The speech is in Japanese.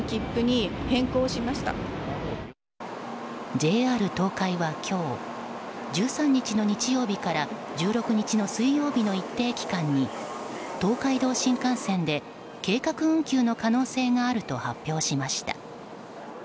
ＪＲ東海は今日１３日の日曜日から１６日の水曜日までの一定期間に東海道新幹線で計画運休の可能性があると発表しました。